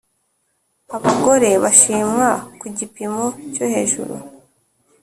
abagore bashimwa ku gipimo cyohejuru